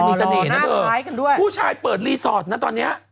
อ๋อหล่อหน้าท้ายกันด้วยคุณแม่ผู้ชายเปิดรีสอร์ทนะตอนเนี้ย